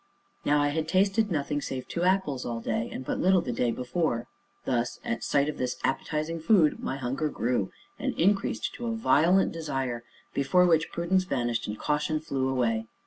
Now I had tasted nothing save two apples all day, and but little the day before thus, at sight of this appetizing food, my hunger grew, and increased to a violent desire before which prudence vanished and caution flew away.